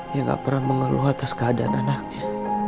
dia gak pernah mengeluh atas keadaan anaknya